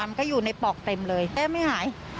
มันก็อยู่ในปอกเต็มเลยเอ๊ะไม่หาย